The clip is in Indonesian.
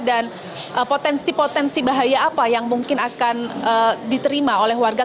dan potensi potensi bahaya apa yang mungkin akan diterima oleh warga